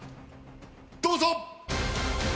どうぞ！